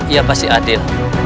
ia pasti adil